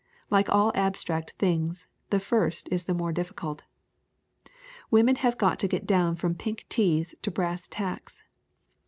Like all abstract things, the first is the more difficult. "Women have got to get down from pink teas to brass tacks!